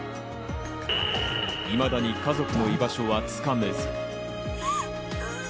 いまだに家族の居場所は掴めず。